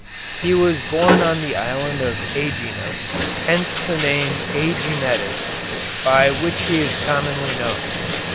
He was born on the island of Ægina, hence the name Æginetus, by which he is commonly known.